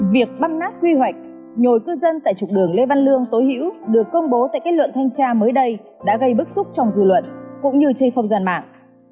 việc băm nát quy hoạch nhồi cư dân tại trục đường lê văn lương tối hữu được công bố tại kết luận thanh tra mới đây đã gây bức xúc trong dự luận cũng như chây phong dàn mạng